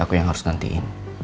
aku yang harus nantiin